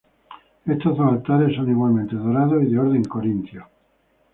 Estos dos altares son igualmente dorados y de orden corintio.